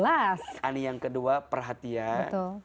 ani yang kedua perhatian